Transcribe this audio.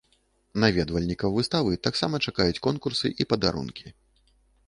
Наведвальнікаў выставы таксама чакаюць конкурсы і падарункі.